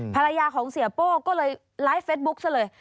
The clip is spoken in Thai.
ภรรยาของเสียโป้ก็เลยไลฟ์เฟสบุ๊คซะเลย